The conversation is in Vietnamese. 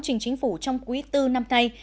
của chính phủ trong quý bốn năm nay